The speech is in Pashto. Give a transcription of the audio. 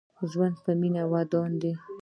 ژوند په مينه ودان دې